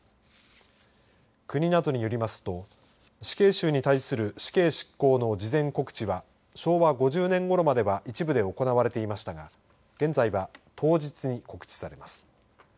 国などによりますと死刑囚に対する死刑執行の事前告知は昭和５０年ごろまでは一部で行われていましたが現在は当日に告知されます。